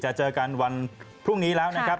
เจอกันวันพรุ่งนี้แล้วนะครับ